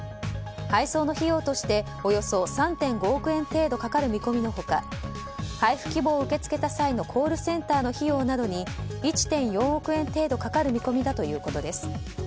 配送の費用としておよそ３．５億店程度かかる見込みの他配布希望を受け付けた際のコールセンターの費用などに１．４億円程度かかる見込みだということです。